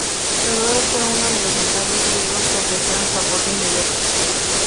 Teodoro fue uno de los notables griegos que ofrecieron su apoyo inmediato.